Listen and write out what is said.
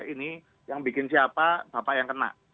ini yang bikin siapa bapak yang kena